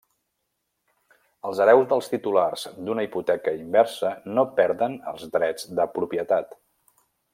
Els hereus dels titulars d'una hipoteca inversa no perden els drets de propietat.